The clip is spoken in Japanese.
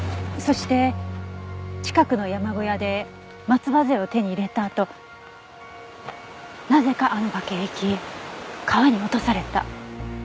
そして近くの山小屋で松葉杖を手に入れたあとなぜかあの崖へ行き川に落とされた。